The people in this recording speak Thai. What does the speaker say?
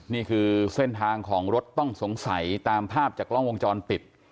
นี่คือเส้นทางของรถต้องสงสัยตามภาพจากกล้องวงจรปิด